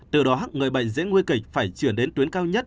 từ đó người bệnh dễ nguy kịch phải chuyển đến tuyến cao nhất